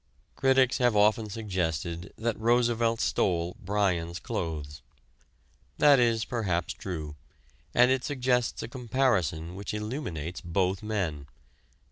Critics have often suggested that Roosevelt stole Bryan's clothes. That is perhaps true, and it suggests a comparison which illuminates both men.